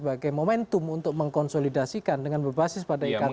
sebagai momentum untuk mengkonsolidasikan dengan berbasis pada ikatan emosi